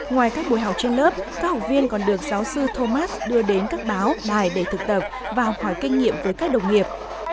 ngoài các buổi học trên lớp các học viên còn được giáo sư thomas đưa đến các báo bài để thực tập và học hỏi kinh nghiệm với các đồng nghiệp